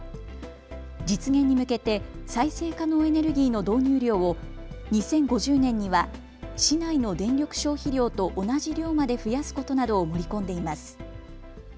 実現に向けて再生可能エネルギーの導入量を２０５０年には市内の電力消費量と同じ量まで増やすことなどを盛り込んでいます。